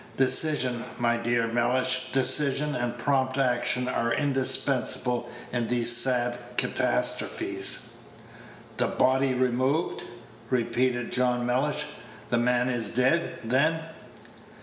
Decision, my dear Mellish, decision and prompt action are indispensable in these sad catastrophes." "The body removed!" repeated John Mellish; "the man is dead, then?"